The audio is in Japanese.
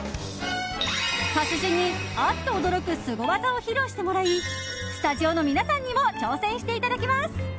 達人に、アッと驚くスゴ技を披露してもらいスタジオの皆さんにも挑戦していただきます。